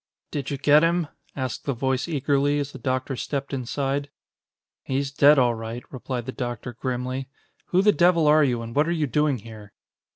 "Did you get him?" asked the voice eagerly, as the doctor stepped inside. "He's dead all right," replied the doctor grimly. "Who the devil are you, and what are you doing here?"